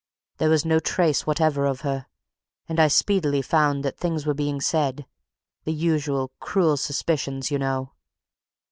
There was no trace whatever of her. And I speedily found that things were being said the usual cruel suspicions, you know."